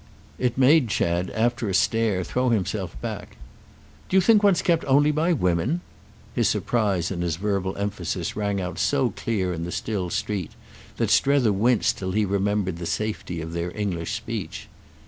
It made Chad, after a stare, throw himself back. "Do you think one's kept only by women?" His surprise and his verbal emphasis rang out so clear in the still street that Strether winced till he remembered the safety of their English speech.